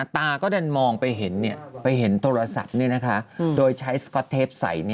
ตาก็ดันมองไปเห็นโทรศัพท์โดยใช้สก๊อตเทปใส่